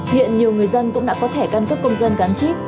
hiện nhiều người dân cũng đã có thẻ căn cước công dân gắn chip